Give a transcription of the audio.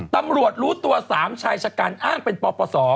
ตำรวจรู้ตัว๓ชายชะกันอ้างเป็นปปศ